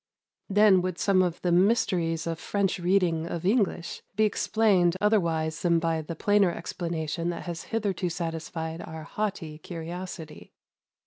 Then would some of the mysteries of French reading of English be explained otherwise than by the plainer explanation that has hitherto satisfied our haughty curiosity.